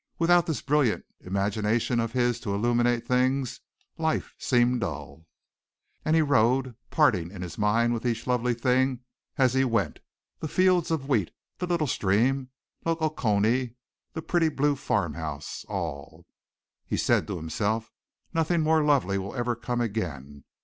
Without this brilliant imagination of his to illuminate things, life seemed dull. And he rode, parting in his mind with each lovely thing as he went the fields of wheat, the little stream, Lake Okoonee, the pretty Blue farmhouse, all. He said to himself: "Nothing more lovely will ever come again.